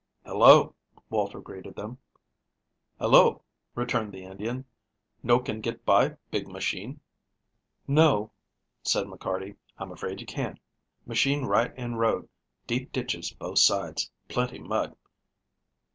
"Hello," Walter greeted them. "Hello," returned the Indian. "No can get by big machine?" "No," said McCarty, "I'm afraid you can't. Machine right in road, deep ditches both sides, plenty mud.